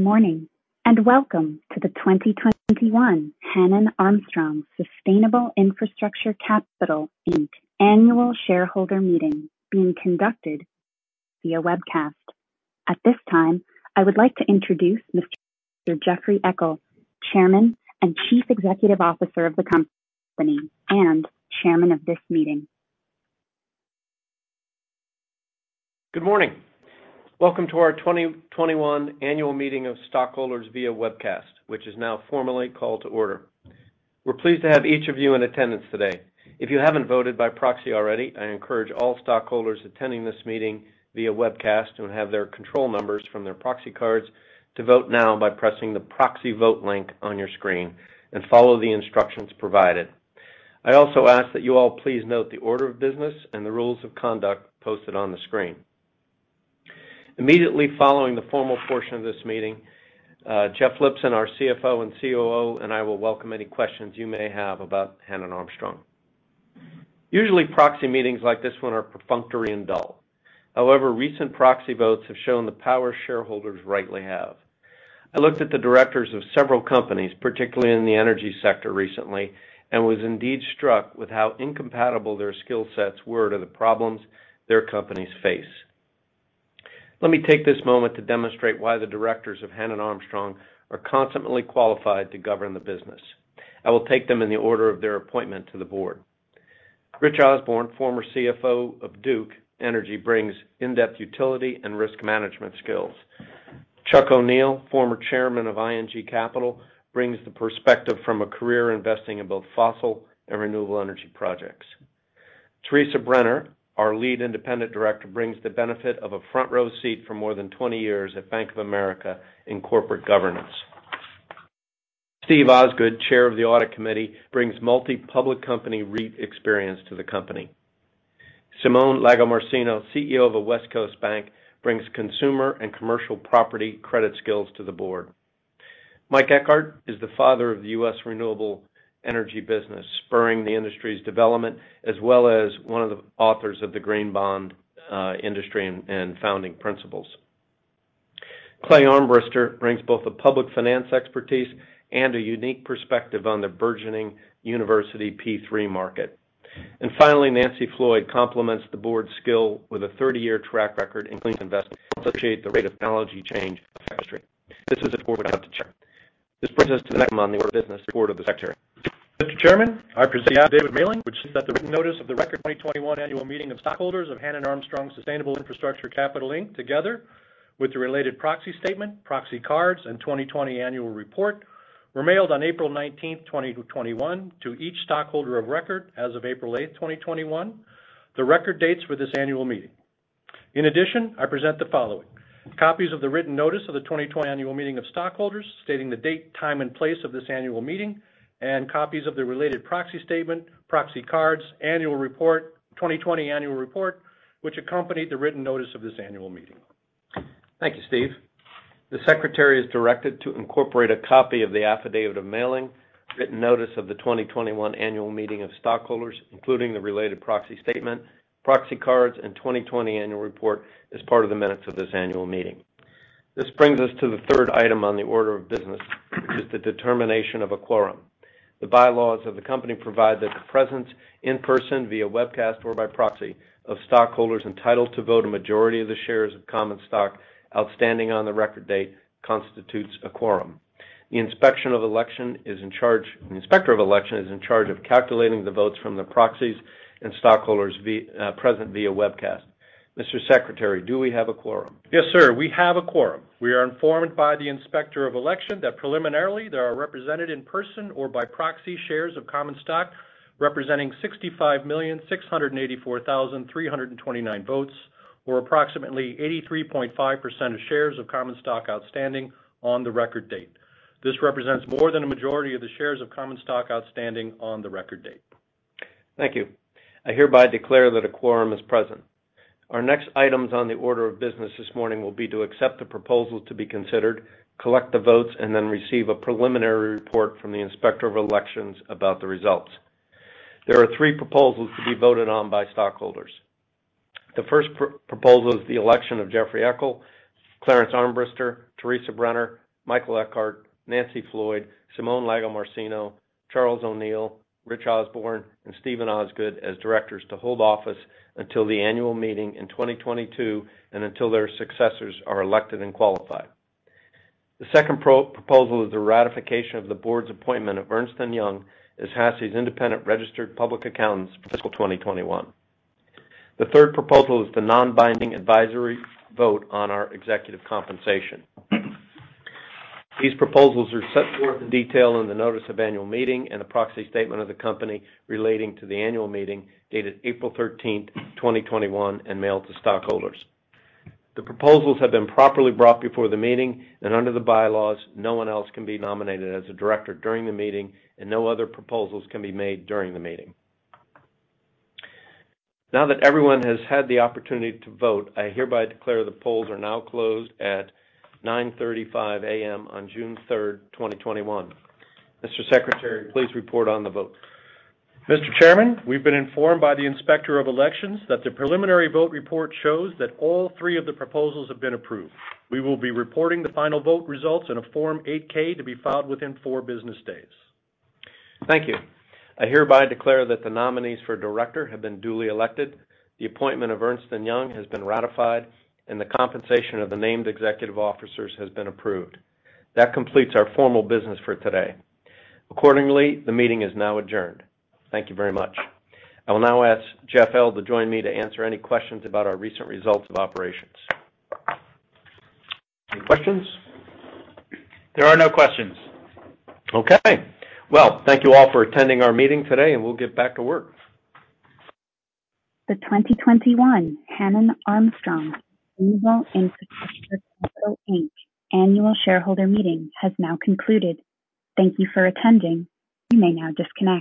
Good morning, welcome to the 2021 Hannon Armstrong Sustainable Infrastructure Capital, Inc. annual shareholder meeting being conducted via webcast. At this time, I would like to introduce Mr. Jeffrey Eckel, Chairman and Chief Executive Officer of the company and Chairman of this meeting. Good morning. Welcome to our 2021 Annual Meeting of Stockholders via webcast, which is now formally called to order. We're pleased to have each of you in attendance today. If you haven't voted by proxy already, I encourage all stockholders attending this meeting via webcast who have their control numbers from their proxy cards to vote now by pressing the proxy vote link on your screen and follow the instructions provided. I also ask that you all please note the order of business and the rules of conduct posted on the screen. Immediately following the formal portion of this meeting, Jeff Lipson, our CFO and COO, and I will welcome any questions you may have about Hannon Armstrong. Usually, proxy meetings like this one are perfunctory and dull. However, recent proxy votes have shown the power shareholders rightly have. I looked at the directors of several companies, particularly in the energy sector recently, and was indeed struck with how incompatible their skill sets were to the problems their companies face. Let me take this moment to demonstrate why the directors of Hannon Armstrong are constantly qualified to govern the business. I will take them in the order of their appointment to the board. Rich Osborne, former CFO of Duke Energy, brings in-depth utility and risk management skills. Charles O'Neil, former Chairman of ING Capital, brings the perspective from a career investing in both fossil and renewable energy projects. Teresa Brenner, our Lead Independent Director, brings the benefit of a front-row seat for more than 20 years at Bank of America in corporate governance. Steven Osgood, Chair of the Audit Committee, brings multi-public company REIT experience to the company. Simone Lagomarsino, CEO of a West Coast bank, brings consumer and commercial property credit skills to the board. Mike Eckhart is the father of the U.S. renewable energy business, spurring the industry's development as well as one of the authors of the green bond industry and founding principles. Clarence D. Armbrister brings both the public finance expertise and a unique perspective on the burgeoning university P3 market. Finally, Nancy Floyd complements the board's skill with a 30-year track record in clean investment to appreciate the rate of technology change in our industry. This is a board we have to cheer. This brings us to the second item on the order of business, the board of directors. Mr. Chairman, I present the affidavit of mailing, which is that the written notice of the record 2021 annual meeting of stockholders of Hannon Armstrong Sustainable Infrastructure Capital, Inc., together with the related proxy statement, proxy cards, and 2020 annual report, were mailed on April 19th, 2021, to each stockholder of record as of April 8th, 2021, the record dates for this annual meeting. In addition, I present the following: copies of the written notice of the 2020 Annual Meeting of Stockholders stating the date, time, and place of this annual meeting, and copies of the related proxy statement, proxy cards, annual report, 2020 Annual Report, which accompanied the written notice of this annual meeting. Thank you, Steven. The secretary is directed to incorporate a copy of the affidavit of mailing, written notice of the 2021 annual meeting of stockholders, including the related proxy statement, proxy cards, and 2020 annual report, as part of the minutes of this annual meeting. This brings us to the third item on the order of business, is the determination of a quorum. The bylaws of the company provide that the presence in person via webcast or by proxy of stockholders entitled to vote a majority of the shares of common stock outstanding on the record date constitutes a quorum. The inspector of election is in charge of calculating the votes from the proxies and stockholders present via webcast. Mr. Secretary, do we have a quorum? Yes, sir. We have a quorum. We are informed by the inspector of election that preliminarily there are represented in person or by proxy shares of common stock representing 65,684,329 votes, or approximately 83.5% of shares of common stock outstanding on the record date. This represents more than a majority of the shares of common stock outstanding on the record date. Thank you. I hereby declare that a quorum is present. Our next items on the order of business this morning will be to accept the proposals to be considered, collect the votes, and then receive a preliminary report from the inspector of elections about the results. There are three proposals to be voted on by stockholders. The first proposal is the election of Jeffrey Eckel, Clarence D. Armbrister, Teresa Brenner, Michael T. Eckhart, Nancy C. Floyd, Simone Lagomarsino, Charles M. O'Neil, Richard Osborne, and Steven G. Osgood as directors to hold office until the annual meeting in 2022 and until their successors are elected and qualified. The second proposal is the ratification of the board's appointment of Ernst & Young as HASI's independent registered public accountants for fiscal 2021. The third proposal is the non-binding advisory vote on our executive compensation. These proposals are set forth in detail in the notice of annual meeting and the proxy statement of the company relating to the annual meeting dated April 13th, 2021, and mailed to stockholders. The proposals have been properly brought before the meeting, and under the bylaws, no one else can be nominated as a director during the meeting, and no other proposals can be made during the meeting. Now that everyone has had the opportunity to vote, I hereby declare the polls are now closed at 9:35 A.M. on June 3rd, 2021. Mr. Secretary, please report on the vote. Mr. Chairman, we've been informed by the inspector of elections that the preliminary vote report shows that all three of the proposals have been approved. We will be reporting the final vote results in a Form 8-K to be filed within four business days. Thank you. I hereby declare that the nominees for director have been duly elected, the appointment of Ernst & Young has been ratified, and the compensation of the named executive officers has been approved. That completes our formal business for today. Accordingly, the meeting is now adjourned. Thank you very much. I will now ask Jeff. to join me to answer any questions about our recent results of operations. Any questions? There are no questions. Okay. Well, thank you all for attending our meeting today. We'll get back to work. The 2021 Hannon Armstrong Sustainable Infrastructure Capital Inc. annual shareholder meeting has now concluded. Thank you for attending. You may now disconnect.